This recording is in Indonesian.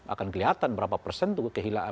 akan kelihatan berapa persen tuh kehilangan